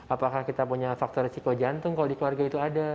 apakah kita punya faktor risiko jantung kalau di keluarga itu ada